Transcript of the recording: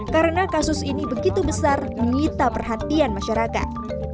karena kasus ini begitu besar melita perhatian masyarakat